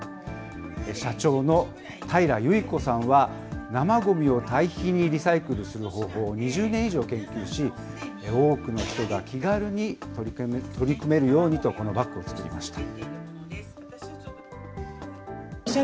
社長のたいら由以子さんは、生ごみを堆肥にリサイクルする方法を２０年以上研究し、多くの人が気軽に取り組めるようにと、このバッグを作りました。